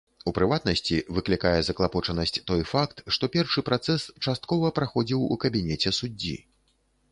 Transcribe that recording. У прыватнасці, выклікае заклапочанасць той факт, што першы працэс часткова праходзіў у кабінеце суддзі.